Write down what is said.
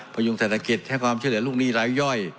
พยุงเศรษฐกิจให้ความช่วยเหลือลูกหนี้รายย่อย